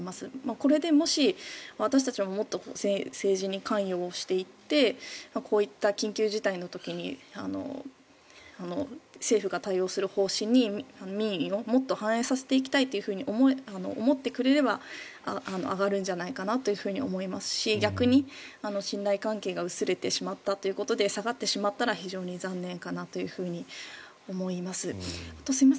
これで、もし私たちはもっと政治に関与していってこういった緊急事態の時に政府が対応する方針に、民意をもっと反映させていきたいと思ってくれれば上がるんじゃないかなと思いますし逆に信頼関係が薄れてしまったということで下がってしまったら非常に残念かなというふうに思います。